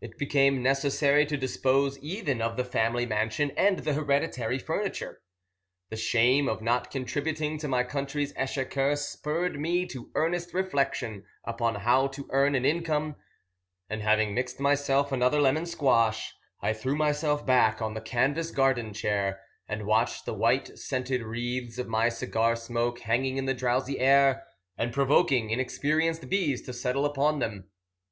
It became necessary to dispose even of the family mansion and the hereditary furniture. The shame of not contributing to my country's exchequer spurred me to earnest reflection upon how to earn an income, and, having mixed myself another lemon squash, I threw myself back on the canvas garden chair, and watched the white, scented wreaths of my cigar smoke hanging in the drowsy air, and provoking inexperienced bees to settle upon them.